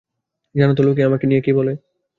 জানো তো লোকে আমাকে নিয়ে কী বলে?